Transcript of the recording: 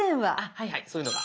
はいはいそういうのが。